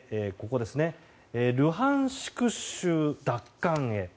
ルハンシク州奪還へ。